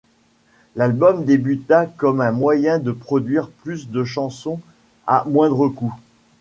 L'album débuta comme un moyen de produire plus de chansons à moindre coût.